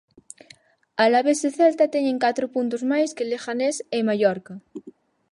Alavés e Celta teñen catro puntos máis que Leganés e Mallorca.